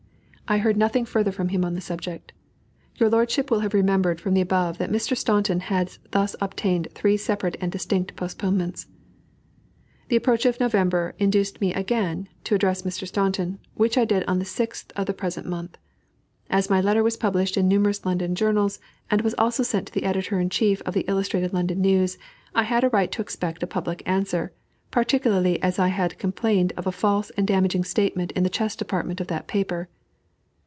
I heard nothing further from him on the subject. Your lordship will have remarked from the above that Mr. Staunton has thus obtained three separate and distinct postponements. The approach of November induced me to again address Mr. Staunton, which I did on the 6th of the present month. As my letter was published in numerous London journals, and was also sent to the editor in chief of the Illustrated London News, I had a right to expect a public answer, particularly as I had complained of a false and damaging statement in the chess department of that paper.